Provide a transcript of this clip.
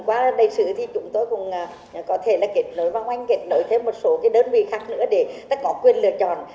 qua đại sứ thì chúng tôi cũng có thể là kết nối với ông anh kết nối thêm một số cái đơn vị khác nữa để ta có quyền lựa chọn